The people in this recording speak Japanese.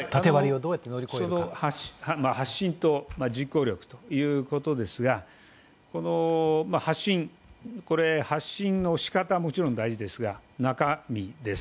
発信と実行力ということですが、発信の仕方はもちろん大事ですが、中身です。